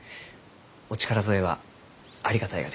お力添えはありがたいがです。